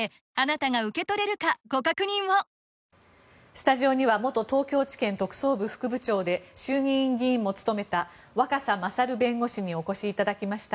スタジオには元東京地検特捜部副部長で衆議院議員も務めた若狭勝弁護士にお越しいただきました。